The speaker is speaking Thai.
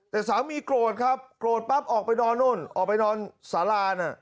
แต่สามีโกรธครับโกรธปั๊บออกไปนอนนู่นออกไปนอนสาราน่ะ